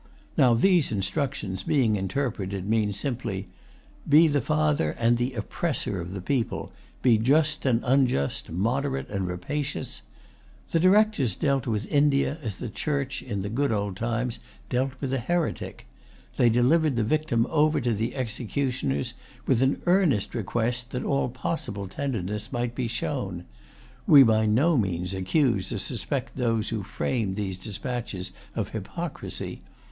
Now these instructions, being interpreted, mean simply, "Be the father and the oppressor of the people; be just and unjust, moderate and rapacious." The Directors dealt with India as the church, in the good old times, dealt with a heretic. They delivered the victim over to the executioners, with an earnest request that all possible tenderness might be shown. We by no means accuse or suspect those who framed these despatches of hypocrisy.